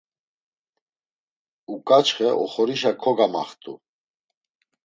Uǩaçxe oxorişa kogamaxt̆u.